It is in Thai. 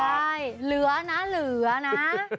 ใช่เหลือนะเหลือนะ